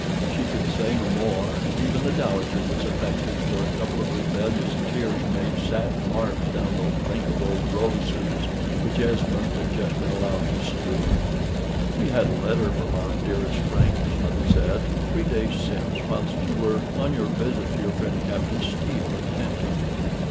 She could say no more, and even the Dowager was affected, for a couple of rebellious tears made sad marks down those wrinkled old roses which Esmond had just been allowed to salute. "We had a letter from dearest Frank," his mother said, "three days since, whilst you were on your visit to your friend Captain Steele, at Hampton.